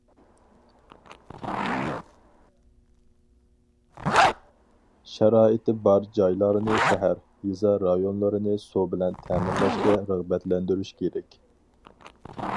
شارائىتى بار جايلارنى شەھەر، يېزا رايونلىرىنى سۇ بىلەن تەمىنلەشكە رىغبەتلەندۈرۈش كېرەك.